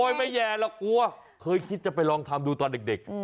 ไม่แย่หรอกกลัวเคยคิดจะไปลองทำดูตอนเด็ก